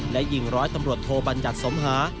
และยิงร้อยตำรวจโทบัญญัติสมหา